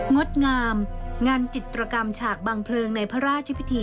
งดงามงานจิตรกรรมฉากบังเพลิงในพระราชพิธี